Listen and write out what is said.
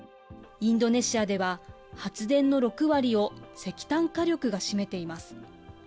インドネシアでは、発電の６割を石炭火力が占めています。